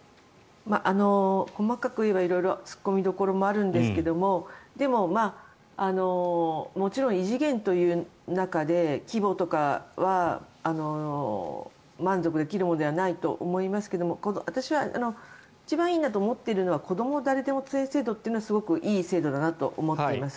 細かく言えば色々突っ込みどころもあるんですがでも、もちろん異次元という中で規模とかは満足できるものではないと思いますが私は一番いいなと思っているのはこども誰でも通園制度というのはすごくいい制度だなと思っています。